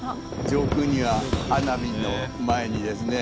上空には花火の前にですね。